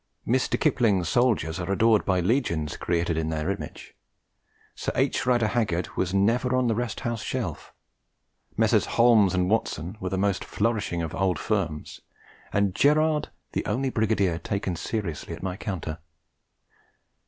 Mr. Kipling's soldiers are adored by legions created in their image. Sir H. Rider Haggard was never on the Rest House shelf. Messrs. Holmes and Watson were the most flourishing of old firms, and Gerard the only Brigadier taken seriously at my counter.